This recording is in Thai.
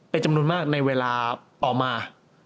เป็นจำนวนมากในเวลาต่อมา